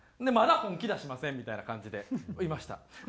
まだ本気出しませんみたいな感じでいました。